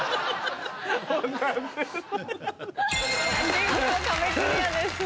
見事壁クリアです。